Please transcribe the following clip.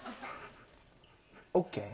ＯＫ？